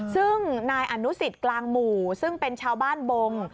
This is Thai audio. ซึ่งนายอนุสิตกลางหมู่ซึ่งเป็นชาวบ้านบง